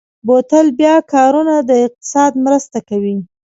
بوتل بیا کارونه د اقتصاد مرسته کوي.